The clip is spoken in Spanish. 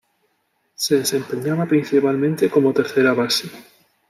Se desempeñaba principalmente como tercera base.